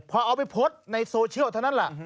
พอเอาไปโพสต์ในโซเชียลเท่านั้นแหละ